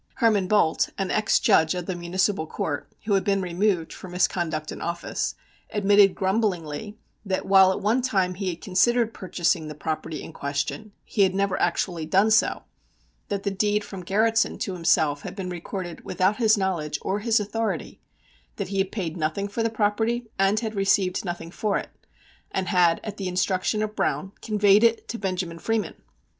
Herman Bolte, an ex judge of the Municipal Court, who had been removed for misconduct in office, admitted grumblingly that, while at, one time he had considered purchasing the property in question, he had never actually done so, that the deed from Garretson to himself had been recorded without his knowledge or his authority, that he had paid nothing for the property and had received nothing for it, and had, at the instruction of Browne, conveyed it to Benjamin Freeman.